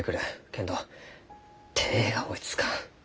けんど手が追いつかん。